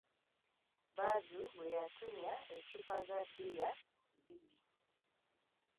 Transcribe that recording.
Badru we yatumya eccupa za bbiya bbiri.